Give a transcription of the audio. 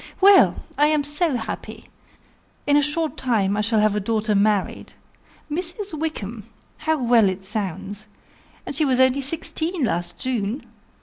Well! I am so happy. In a short time, I shall have a daughter married. Mrs. Wickham! How well it sounds! And she was only sixteen last June.